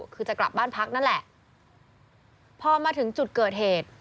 คือจะกลับบ้านพักนั่นแหละพอมาถึงจุดเกิดเหตุ